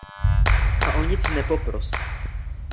A o nic nepoprosí.